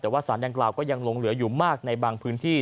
แต่ว่าสารดังกล่าวก็ยังลงเหลืออยู่มากในบางพื้นที่